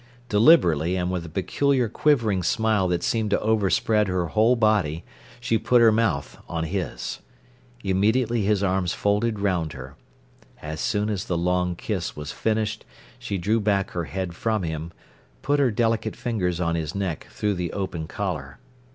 Deliberately, and with a peculiar quivering smile that seemed to overspread her whole body, she put her mouth on his. Immediately his arms folded round her. As soon as the long kiss was finished she drew back her head from him, put her delicate fingers on his neck, through the open collar.